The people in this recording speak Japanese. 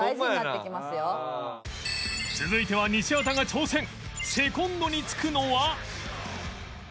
続いては西畑が挑戦セコンドにつくのは